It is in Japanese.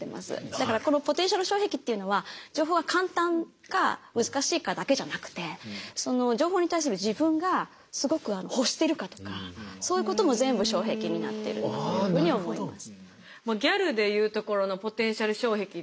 だからこのポテンシャル障壁っていうのは情報は簡単か難しいかだけじゃなくてその情報に対する自分がすごく欲してるかとかそういうことも全部障壁になってるっていうふうに思います。